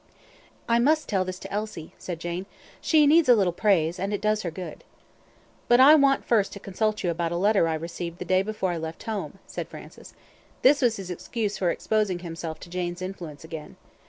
"I must tell this to Elsie," said Jane; "she needs a little praise, and it does her good." "But I want first to consult you about a letter I received the day before I left home," said Francis. This was his excuse for exposing himself to Jane's influence again.